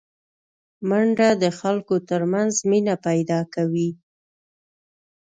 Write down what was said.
منډه د خلکو ترمنځ مینه پیداکوي